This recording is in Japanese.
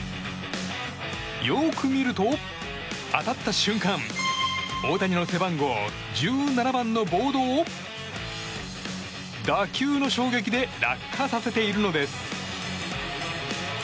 よく見ると、当たった瞬間大谷の背番号１７番のボードを打球の衝撃で落下させているのです。